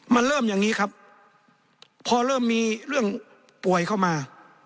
มันเริ่มอย่างนี้ครับพอเริ่มมีเรื่องป่วยเข้ามา